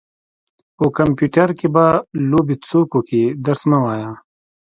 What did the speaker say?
په کمپيوټر کې به لوبې څوک وکي درس مه وايه.